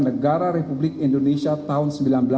negara republik indonesia tahun seribu sembilan ratus empat puluh